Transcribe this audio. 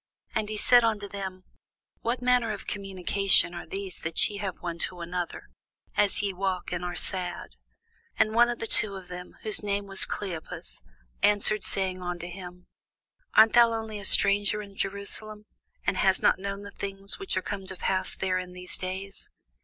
And he said unto them, What manner of communications are these that ye have one to another, as ye walk, and are sad? And the one of them, whose name was Cleopas, answering said unto him, Art thou only a stranger in Jerusalem, and hast not known the things which are come to pass there in these days?